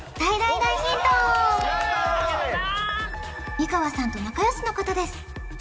美川さんと仲よしの方です